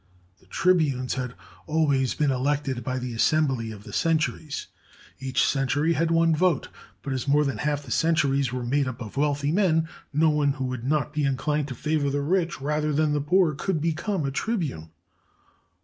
The tribunes had always been elected by the assembly of the centuries. Each century had one vote; but as more than half the centuries were made up of wealthy men, no one who would not be incHned to favor the rich rather than the poor could become a tribune.